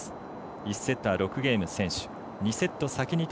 １セットは６ゲーム先取。